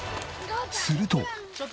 すると。